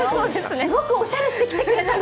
すごくおしゃれしてきてくれたの。